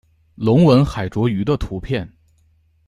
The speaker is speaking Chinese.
隆吻海蠋鱼的图片